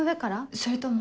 それとも。